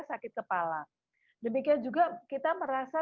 sakit kepala demikian juga kita merasa